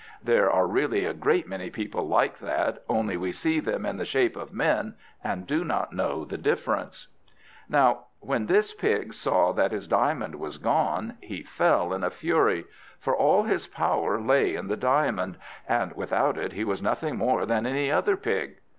There are really a great many people like that, only we see them in the shape of men and do not know the difference. Now when this pig saw that his diamond was gone, he fell in a fury; for all his power lay in the diamond, and without it he was nothing more than any other pig.